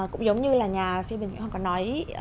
cũng giống như là nhà phiên bình nghĩa hoàng có nói